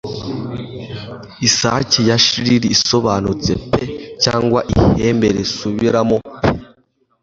Isake ya shrill isobanutse pe cyangwa ihembe risubiramo pe